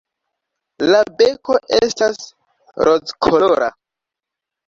La beko estas rozkolora.